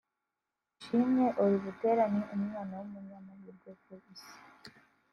Ishimwe Or Butera ni umwana w’umunyamahirwe ku isi